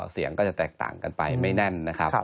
เสียงก็จะแตกต่างกันไปไม่แน่นนะครับ